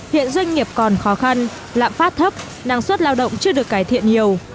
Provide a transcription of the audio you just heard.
hiện doanh nghiệp còn khó khăn lạm phát thấp năng suất lao động chưa được cải thiện nhiều